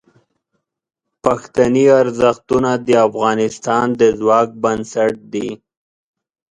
پښتني ارزښتونه د افغانستان د ځواک بنسټ دي.